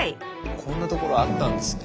こんなところあったんですね。